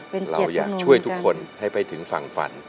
เราอยากช่วยทุกคนให้ไปถึงฝั่งฝัน